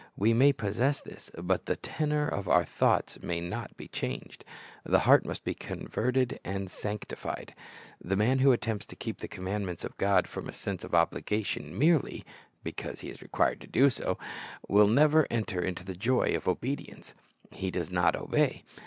We may possess this, but the tenor of our thoughts may not be changed. The heart must be converted and sanctified. The man who attempts to keep the commandments of God from a sense of obligation merely — because he is required to do so — will never enter into the joy of obedi ence. He does not obey.